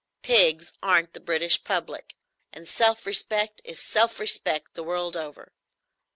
Pigs aren't the British public; and self respect is self respect the world over.